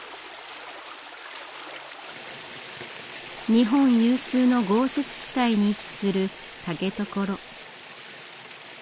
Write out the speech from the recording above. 日本有数の豪雪地帯に位置する竹所。